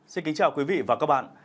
xin kính chào quý vị và các bạn